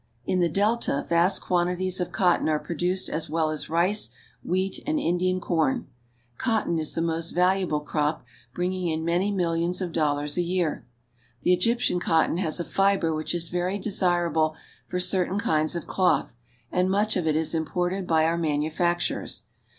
In the delta vast quantities of cotton are produced as well as rice, wheat, and Indian corn. Cotton is the most valuable crop, bringing in many millions of dollars a year. The Egyptian cotton has a fiber which is very desirable for certain kinds of cloth, and much of it is imported by our manufacturers.